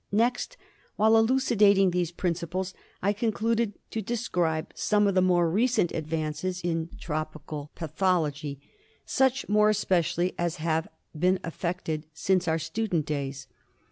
Next, while elucidating these principles, I concluded to describe some of the more recent advances in tropical OF TROPICAL DISEASES. 5 pathology — such, more especially, as have been effected since our student days.